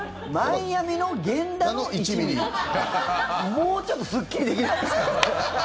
もうちょっとすっきりできないんですか。